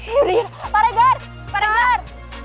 iya iya pak regar pak regar